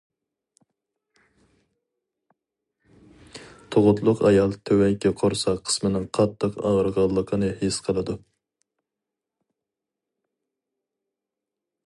تۇغۇتلۇق ئايال تۆۋەنكى قورساق قىسمىنىڭ قاتتىق ئاغرىغانلىقىنى ھېس قىلىدۇ.